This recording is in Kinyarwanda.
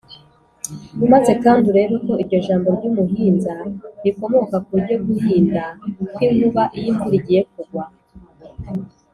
-maze kandi urebe ko iryo jambo ry’umuhinza rikomoka ku ryo guhinda kw’inkuba iyo imvura igiye kugwa,